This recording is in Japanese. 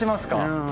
うん。